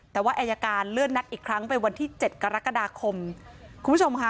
แต่ว่าอายการเลื่อนนัดอีกครั้งไปวันที่เจ็ดกรกฎาคมคุณผู้ชมค่ะ